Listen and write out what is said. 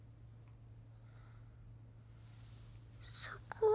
そこ。